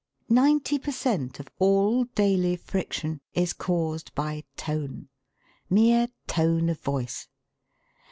Ninety per cent. of all daily friction is caused by tone mere tone of voice.